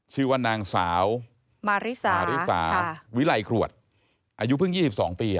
ชื่อว่านางสาวมาริสามาริสาวิไลครวดอายุเพิ่ง๒๒ปี